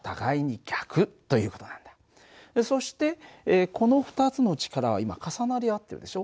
そしてこの２つの力は今重なり合ってるでしょ。